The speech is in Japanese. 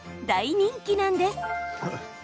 大人気なんです。